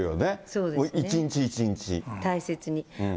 大切に。